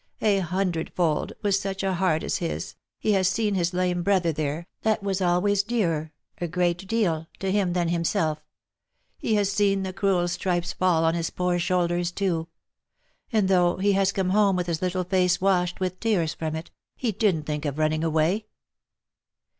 a hundred fold, with such a heart as his, he has seen his lame brother there, that was always dearer, a great deal, to him than himself — he has seen the cruel stripes fall on his poor shoulders, too ; and though he has come home with his little face washed with tears from it, he didn't think of running away."